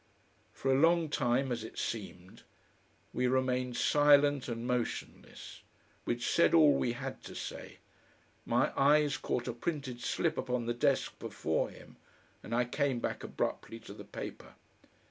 For a long time, as it seemed, we remained silent and motionless. We'd said all we had to say. My eyes caught a printed slip upon the desk before him, and I came back abruptly to the paper.